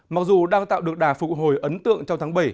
mặc dù đang tạo được đà phục hồi ấn tượng trong tháng bảy